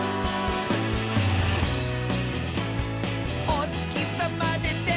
「おつきさまでて」